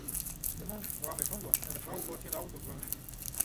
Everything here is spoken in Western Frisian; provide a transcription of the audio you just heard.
De man waard mishannele en de frou waard tsjin de auto treaun.